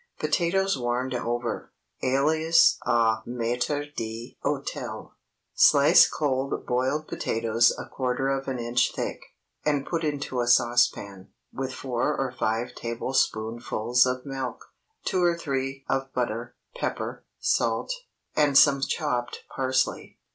POTATOES WARMED OVER—alias au Maître d'Hôtel. Slice cold boiled potatoes a quarter of an inch thick, and put into a saucepan, with four or five tablespoonfuls of milk, two or three of butter, pepper, salt, and some chopped parsley.